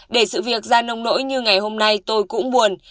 để sự việc ra nông nỗi như ngày hôm nay tôi cũng buồn